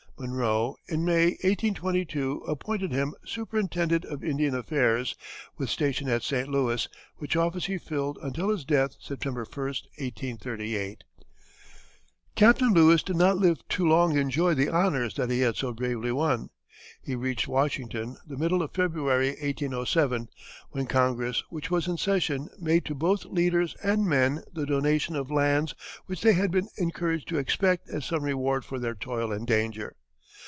Monroe, in May, 1822, appointed him Superintendent of Indian Affairs, with station at St. Louis, which office he filled until his death, September 1, 1838. Captain Lewis did not live to long enjoy the honors that he had so bravely won. He reached Washington the middle of February, 1807, when Congress, which was in session, made to both leaders and men the donation of lands which they had been encouraged to expect as some reward for their toil and danger.